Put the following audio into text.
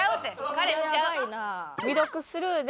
彼氏ちゃう。